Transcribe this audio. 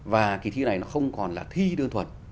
và kỳ thi này nó không còn là thi đơn thuần